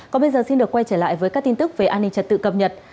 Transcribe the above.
còn bây giờ xin được quay trở lại với các tin tức về an ninh trật tự cập nhật